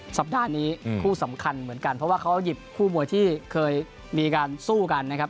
สัปดาห์นี้คู่สำคัญเหมือนกันเพราะว่าเขาหยิบคู่มวยที่เคยมีการสู้กันนะครับ